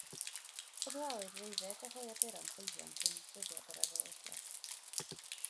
Cwblhawyd deuddeg o holiaduron cleifion cyn dyddiad yr arolygiad